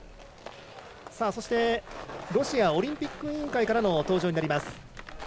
ロシアオリンピック委員会からの登場になります